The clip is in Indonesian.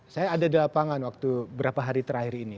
saya ada di lapangan waktu berapa hari terakhir ini